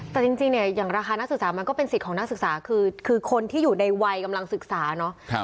แต่จริงเนี่ยอย่างราคานักศึกษามันก็เป็นสิทธิ์ของนักศึกษาคือคนที่อยู่ในวัยกำลังศึกษาเนาะ